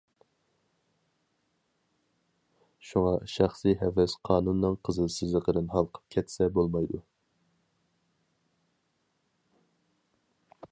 شۇڭا، شەخسىي ھەۋەس قانۇننىڭ قىزىل سىزىقىدىن ھالقىپ كەتسە بولمايدۇ.